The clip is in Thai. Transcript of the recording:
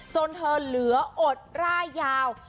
จนเธอเหลืออดร่ายยาว